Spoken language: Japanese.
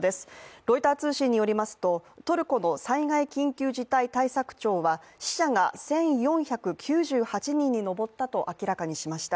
ロイター通信によりますと、トルコの災害緊急事態庁によりますと死者が１４９８人に上ったと明らかにしました。